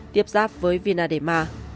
tiếp giáp với vina de mar